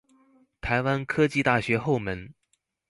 臺灣科技大學後門